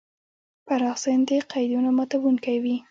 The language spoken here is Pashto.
پراخ ذهن د قیدونو ماتونکی وي.